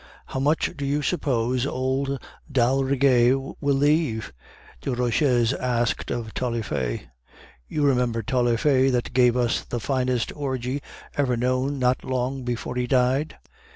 "'How much do you suppose old d'Aldrigger will leave?' Desroches asked of Taillefer. You remember Taillefer that gave us the finest orgy ever known not long before he died?"